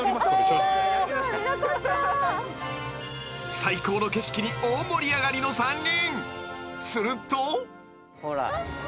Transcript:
［最高の景色に大盛り上がりの３人］